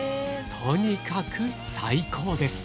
とにかく最高です！